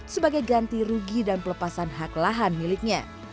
sebagai ganti rugi dan pelepasan hak lahan miliknya